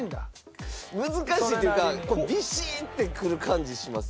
難しいっていうかビシーッってくる感じします。